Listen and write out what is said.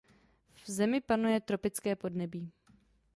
V zemi panuje tropické podnebí.